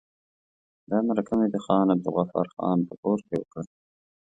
دا مرکه مې د خان عبدالغفار خان په کور کې وکړه.